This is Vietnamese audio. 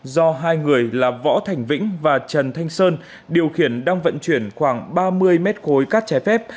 do hai người là võ thành vinh và trần thanh sơn điều khiển đang vận chuyển khoảng ba mươi m cối cát trái phép